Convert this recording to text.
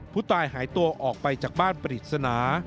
ผู้ตายหายตัวออกไปจากบ้านปริศนา